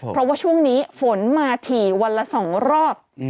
เพราะว่าช่วงนี้ฝนมาถี่วันละ๒รอบ